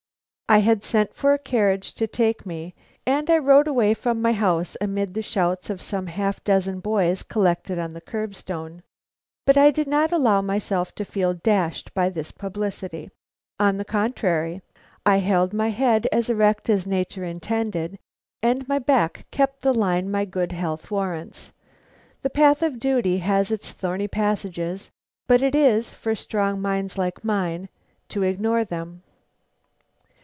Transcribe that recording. I had sent for a carriage to take me, and I rode away from my house amid the shouts of some half dozen boys collected on the curb stone. But I did not allow myself to feel dashed by this publicity. On the contrary, I held my head as erect as nature intended, and my back kept the line my good health warrants. The path of duty has its thorny passages, but it is for strong minds like mine to ignore them.